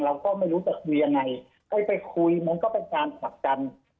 เราก็ไม่รู้จะคุยยังไงไอ้ไปคุยมันก็เป็นการผลักดัน